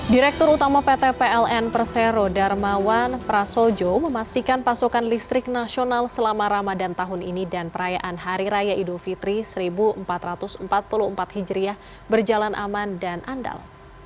direktur utama pt pln persero darmawan prasojo memastikan pasokan listrik nasional selama ramadan tahun ini dan perayaan hari raya idul fitri seribu empat ratus empat puluh empat hijriah berjalan aman dan andal